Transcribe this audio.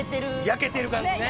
焼けてる感じね！